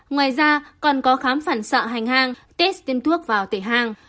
ngoài ra còn có khám phản sợ hành hàng test tiên thuốc vào tể hàng